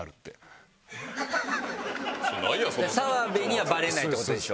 澤部にはバレないってことでしょ？